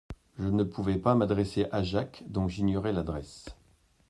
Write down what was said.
Je ne pouvais pas m'adresser à Jacques, dont j'ignorais l'adresse.